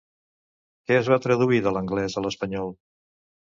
Què es va traduir de l'anglès a l'espanyol?